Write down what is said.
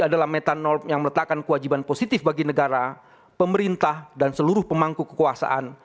adalah metanor yang meletakkan kewajiban positif bagi negara pemerintah dan seluruh pemangku kekuasaan